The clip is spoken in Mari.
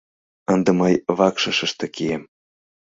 Ынде мый вакшышыште кием.